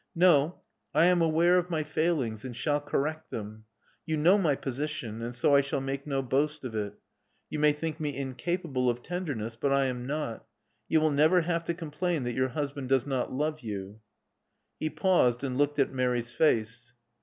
No : I am aware of my failings, and shall correct them. You know my position; and so I shall make no boast of it. You may think me incapable of tenderness; but I am not: you will never have to com plain that your husband does not love you." He paused, and looked at Mary's face.